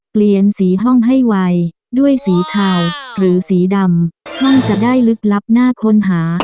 เปลี่ยนสีห้องให้ไวด้วยสีเทาหรือสีดำห้องจะได้ลึกลับน่าค้นหา